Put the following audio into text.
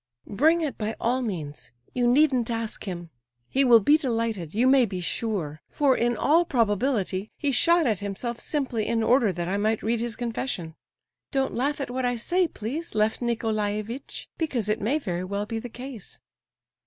"Bring it by all means; you needn't ask him. He will be delighted, you may be sure; for, in all probability, he shot at himself simply in order that I might read his confession. Don't laugh at what I say, please, Lef Nicolaievitch, because it may very well be the case."